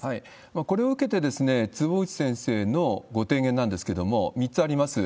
これを受けて坪倉先生のご提言なんですけど、３つあります。